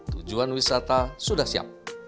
tujuan wisata sudah siap